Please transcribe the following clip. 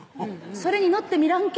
「それに載ってみらんけ？」